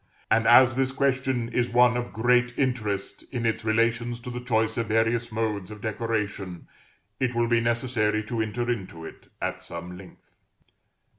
And as this question is one of great interest in its relations to the choice of various modes of decoration, it will be necessary to enter into it at some length.